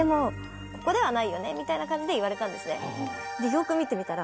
よく見てみたら。